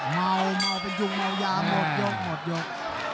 เมาเมาเป็นยุงเมายาหมดยกหมดยก